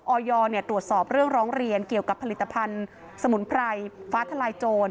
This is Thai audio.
ออยตรวจสอบเรื่องร้องเรียนเกี่ยวกับผลิตภัณฑ์สมุนไพรฟ้าทลายโจร